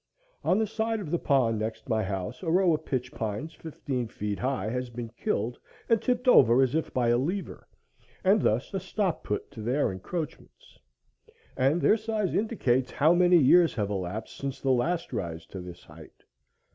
On the side of the pond next my house, a row of pitch pines fifteen feet high has been killed and tipped over as if by a lever, and thus a stop put to their encroachments; and their size indicates how many years have elapsed since the last rise to this height.